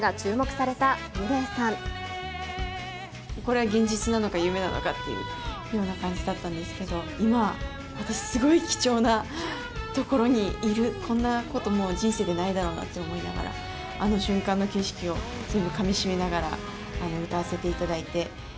これは現実なのか、夢なのかっていうような感じだったんですけど、今、私、すごい貴重な所にいる、こんなこと、もう、人生でないだろうなって思いながら、あの瞬間の景色を全部かみしめながら、歌わせていただいて。